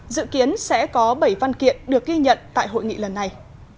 dự kiến sẽ có bảy văn kiện được ghi nhận tại hội nghị lần này